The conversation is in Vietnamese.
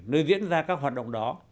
nơi diễn ra các hoạt động đó